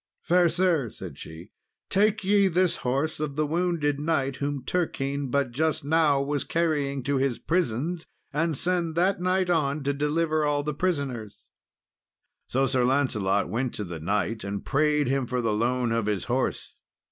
"Fair sir," said she, "take ye this horse of the wounded knight whom Turquine but just now was carrying to his prisons, and send that knight on to deliver all the prisoners." So Sir Lancelot went to the knight and prayed him for the loan of his horse.